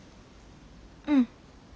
うん。